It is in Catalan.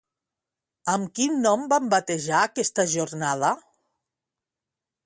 Amb quin nom van batejar aquesta jornada?